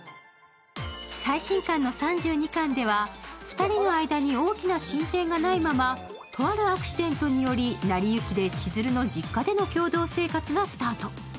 最新刊の３２巻では２人の間に大きな進展がないままとあるアクシデントによりなりゆきで実家での共同生活がスタート。